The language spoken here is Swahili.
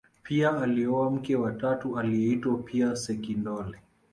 pia alioa mke wa tatu aliyeitwa pia sekindole